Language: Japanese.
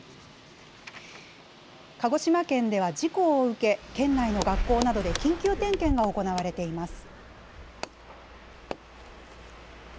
鹿児島県では事故を受け、県内の学校などで緊急点検が行われています。